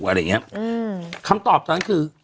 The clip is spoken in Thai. อะไรอย่างเงี้ยอืมคำตอบตอนนั้นคือ